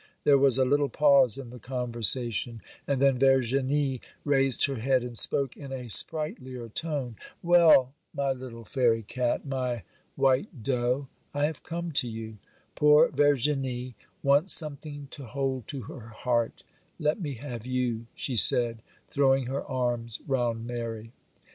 There was a little pause in the conversation, and then Verginie raised her head and spoke in a sprightlier tone. 'Well, my little fairy cat,—my white doe,—I have come to you. Poor Verginie wants something to hold to her heart; let me have you,' she said, throwing her arms round Mary.